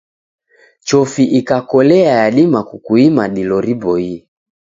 Chofi ikakolea yadima kukuima dilo riboie.